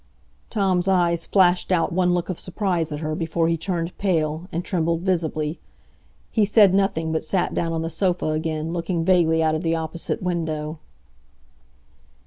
Tom's eyes flashed out one look of surprise at her, before he turned pale, and trembled visibly. He said nothing, but sat down on the sofa again, looking vaguely out of the opposite window.